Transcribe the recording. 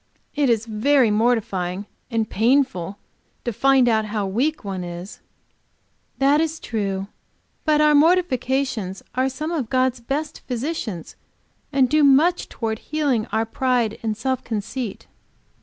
"It is very mortifying and painful to find how weak one is." "That is true. But our mortifications are some of God's best physicians, and do much toward healing our pride and self conceit."